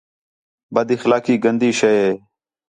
بد اخلاقی گندی شے ہے